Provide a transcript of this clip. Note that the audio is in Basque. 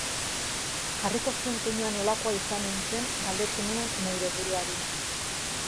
Jarriko zuen keinua nolakoa izanen zen galdetzen nion neure buruari.